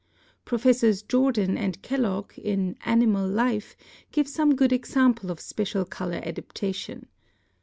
Professors Jordan and Kellogg, in 'Animal Life,' give some good example of special color adaptation.